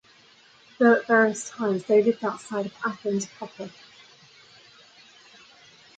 Though at various times they lived outside of Athens proper.